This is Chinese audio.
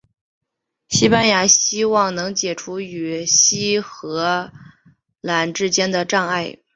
西班牙希望能清除与西属荷兰之间的障碍。